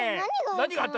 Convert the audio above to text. なにがあった？